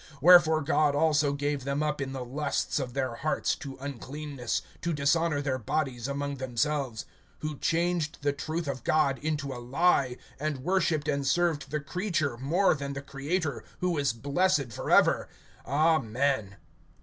(24)Wherefore God also gave them up in the lusts of their hearts to uncleanness, to dishonor their bodies among themselves; (25)who changed the truth of God into a lie, and worshiped and served the creature more than the Creator, who is blessed forever. Amen.